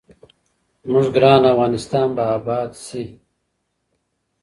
زموږ ګران افغانستان به اباد شي.